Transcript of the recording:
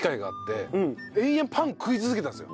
延々パン食い続けたんですよ。